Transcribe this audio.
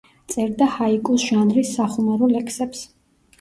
წერდა ჰაიკუს ჟანრის სახუმარო ლექსებს.